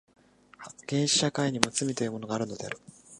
原始社会にも罪というものがあるのである。